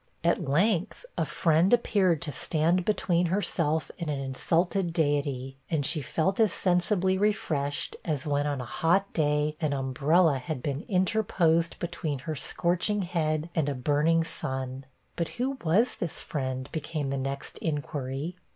At length a friend appeared to stand between herself and an insulted Deity; and she felt as sensibly refreshed as when, on a hot day, an umbrella had been interposed between her scorching head and a burning sun. But who was this friend? became the next inquiry.